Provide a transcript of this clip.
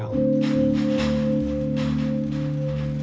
うん。